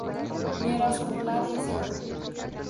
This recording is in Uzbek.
Merosxo‘rlari esa ko‘p.